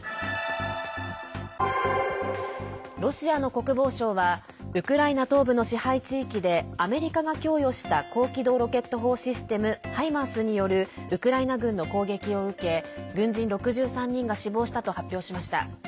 ロシアの国防省はウクライナ東部の支配地域でアメリカが供与した高機動ロケット砲システム「ハイマース」によるウクライナ軍の攻撃を受け軍人６３人が死亡したと発表しました。